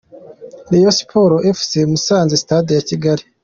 Rayon Sports vs Musanze – Stade ya Kigali.